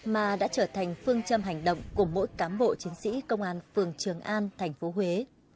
mà đã trở thành phương châm hành động của mỗi cám bộ chiến sĩ công an phường trường an tp huế